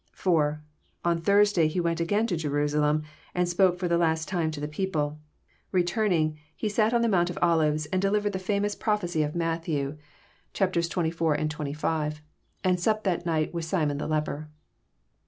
(4) On Tuesday He went again to Jerusa lem, and spoke for the last time to the people. Returning, He sat on the Mount of Olives and delivered the famous prophecy 812 EXF08IT0BT THOUGHTS. of Matthew xx\r, and xxv., and supped that night with Simon the leper.